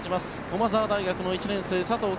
駒澤大学の１年生、佐藤圭汰。